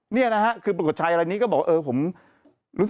เนี่ยนะฮะคือปรากฏชัยอะไรนี้ก็บอกว่า